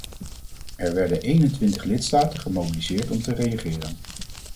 Er werden eenentwintig lidstaten gemobiliseerd om te reageren.